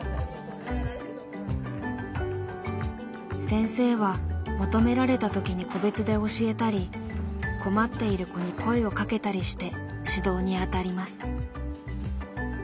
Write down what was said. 先生は求められた時に個別で教えたり困っている子に声をかけたりして指導にあたります。